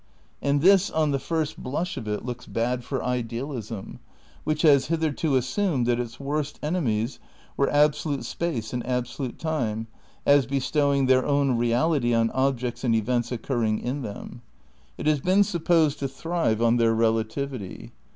And this, on the first blush of it, looks bad for idealism, which has hitherto assumed that its worst enemies were absolute space and absolute time, as be stowing their own reality on objects and events occur ring in them. It has been supposed to thrive on their relativity.